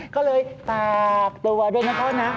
ก็เลยตากตัวด้วยนะพ่อนะ